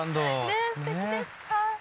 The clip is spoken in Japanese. ねえすてきでした。